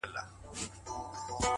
واخلمه تا اوکه دنيا واخـلم